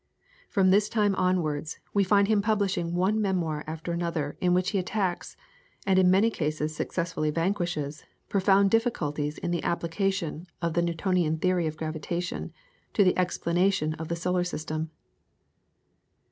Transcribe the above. From this time onwards we find him publishing one memoir after another in which he attacks, and in many cases successfully vanquishes, profound difficulties in the application of the Newtonian theory of gravitation to the explanation of the solar system.